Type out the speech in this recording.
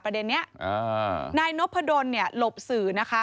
ประเด็นนี้นายนพดลเนี่ยหลบสื่อนะคะ